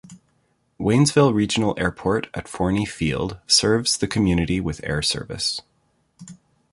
Waynesville Regional Airport at Forney Field serves the community with air service.